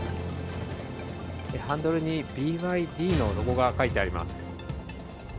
ハンドルにＢＹＤのロゴが書いてあります。